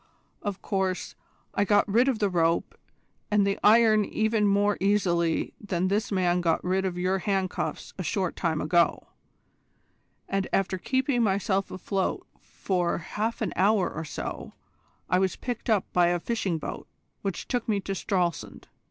Of course, I got rid of the rope and the iron even more easily than this man got rid of your handcuffs a short time ago, and after keeping myself afloat for half an hour or so, I was picked up by a fishing boat which took me to Stralsund.